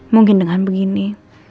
mungkin dengan begini